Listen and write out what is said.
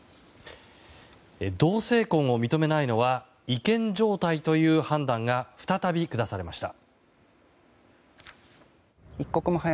同性婚を認めないのは違憲状態という判断が再び下されました。